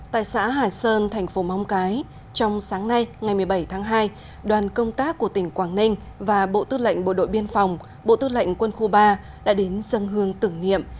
tại xã hải sơn thành phố móng cái trong sáng nay ngày một mươi bảy tháng hai đoàn công tác của tỉnh quảng ninh và bộ tư lệnh bộ đội biên phòng bộ tư lệnh quân khu ba đã đến dân hương tưởng niệm